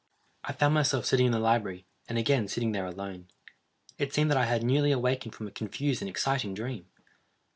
I found myself sitting in the library, and again sitting there alone. It seemed that I had newly awakened from a confused and exciting dream.